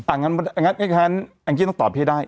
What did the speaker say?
อย่างนั้นอันนี้ต้องตอบให้ได้